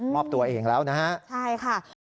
อบตัวเองแล้วนะฮะใช่ค่ะ